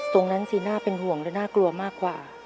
ตรงนั้นสิน่าเป็นห่วงและน่ากลัวมากกว่า